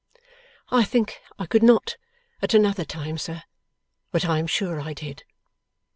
'I think I could not, at another time, sir; but I am sure I did.